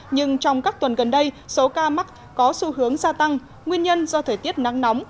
nhưng trong các tuần gần đây số ca mắc có xu hướng gia tăng nguyên nhân do thời tiết nắng nóng